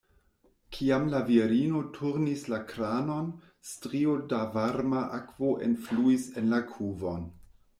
Kiam la virino turnis la kranon, strio da varma akvo enfluis en la kuvon.